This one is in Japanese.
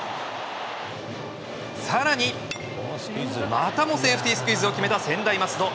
またも、セーフティースクイズを決めた専大松戸！